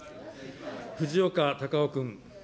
藤岡隆雄君。